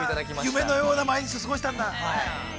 ◆夢のような毎日を過ごしたんだ。